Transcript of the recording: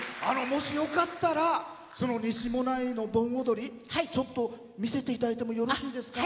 もしよかったらその西馬音内の盆踊りちょっと見せていただいてもよろしいですか。